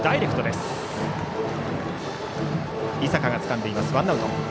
井坂がつかんで、ワンアウト。